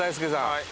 はい。